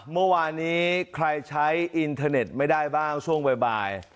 เมื่อวานนี้ใครใช้อินเทอร์เน็ตไม่ได้บ้างช่วงบ่าย